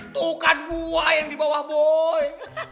tuh kan buah yang di bawah boy